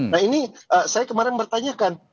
nah ini saya kemarin bertanyakan